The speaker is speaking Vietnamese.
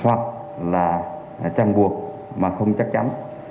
hoặc là chằn buộc mà không chắc chắn